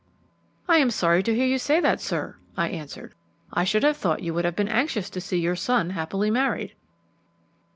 "I am sorry to hear you say that, sir," I answered. "I should have thought you would have been anxious to see your son happily married."